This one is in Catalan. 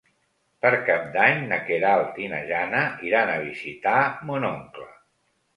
Per Cap d'Any na Queralt i na Jana iran a visitar mon oncle.